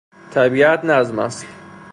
طبیعت نظم است.